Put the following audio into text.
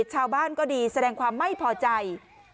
ชาวบ้านก็ดีแสดงความไม่พอใจ